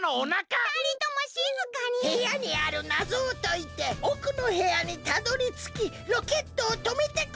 へやにあるなぞをといておくのへやにたどりつきロケットをとめてください！